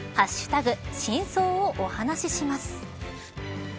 真相をお話しします。